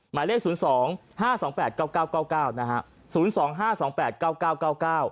หมายเลข๐๒๕๒๘๙๙๙๙